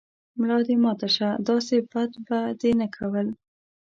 ملا دې ماته شۀ، داسې بد به دې نه کول